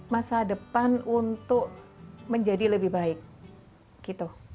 masa depan untuk menjadi lebih baik gitu